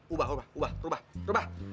ubah ubah ubah ubah ubah